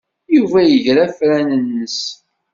Yuba iga afran-nnes.